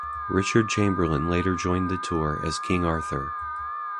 Richard Chamberlain later joined the tour as King Arthur.